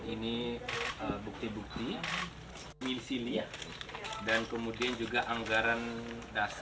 ini bukti bukti misilia dan kemudian juga anggaran dasar